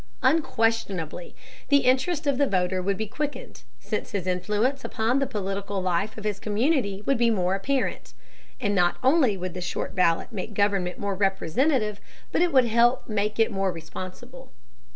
Unquestionably the interest of the voter would be quickened, since his influence upon the political life of his community would be more apparent. And not only would the short ballot make government more representative, but it would help to make it more responsible.